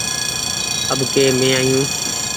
اٻڪي مين آيو ۔